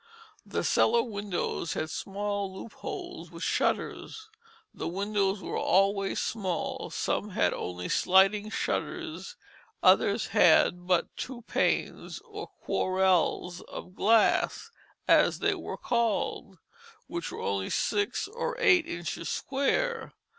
The cellar windows had small loop holes with shutters. The windows were always small; some had only sliding shutters, others had but two panes or quarels of glass, as they were called, which were only six or eight inches square.